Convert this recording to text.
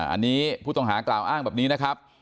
อันนี้ผู้ต้องหากล่าวอ้างแบบนี้นะครับ